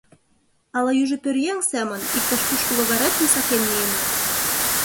— Ала южо пӧръеҥ семын иктаж-кушко логаретым сакен миенат?